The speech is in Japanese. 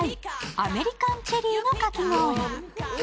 アメリカンチェリーのかき氷。